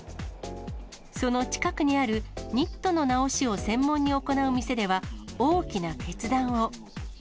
その近くにあるニットの直しを専門に行う店では、大きな決断を。